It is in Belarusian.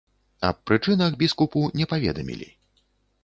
Аб прычынах біскупу не паведамілі.